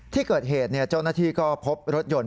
ที่เกิดเหตุเจ้าหน้าที่ก็พบรถยนต์